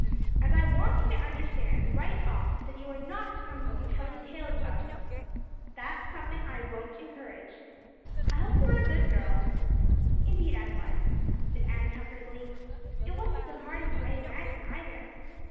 And I want you to understand right off that you are not to come home telling tales about him. That is something I won't encourage. I hope you were a good girl." "Indeed I was," said Anne comfortably. "It wasn't so hard as you might imagine, either.